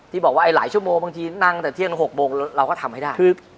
ที่บอกว่าไอลายชั่วโมงบางทีค่อยนั่งแต่เที่ยงตั้งแต่๖บกเราก็ทำให้ได้